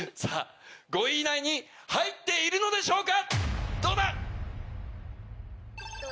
５位以内に入っているのでしょうか